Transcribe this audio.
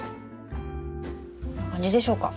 こんな感じでしょうか。